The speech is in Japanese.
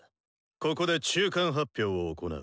ここで中間発表を行う。